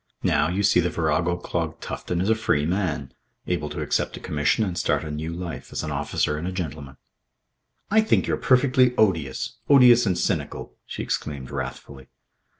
Now, you see the virago clogged Tufton is a free man, able to accept a commission and start a new life as an officer and a gentleman." "I think you're perfectly odious. Odious and cynical," she exclaimed wrathfully.